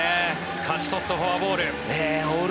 勝ち取ったフォアボール。